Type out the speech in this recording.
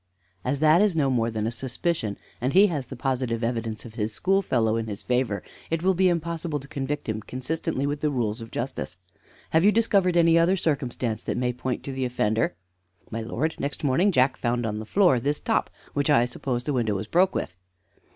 "As that is no more than a suspicion, and he has the positive evidence of his schoolfellow in his favor, it will be impossible to convict him consistently with the rules of justice. Have you discovered any other circumstance that may point out the offender?" "My lord, next morning Jack found on the floor this top, which I suppose the window was broke with."